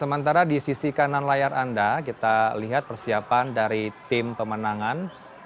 sementara di sisi kanan layar anda kita lihat persiapan dari tim pemenangan